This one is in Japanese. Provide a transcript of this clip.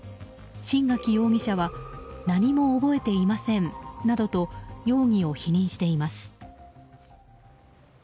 新垣容疑者は何も覚えていませんなどと容疑を否認しています。